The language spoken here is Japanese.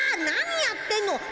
何やってんの。